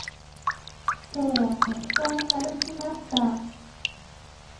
きょうはたくさん歩きました。